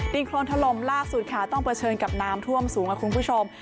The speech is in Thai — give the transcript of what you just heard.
ดินโครนถล่มล่าสุดค่ะต้องเผชิญกับน้ำท่วมสูงค่ะคุณผู้ชม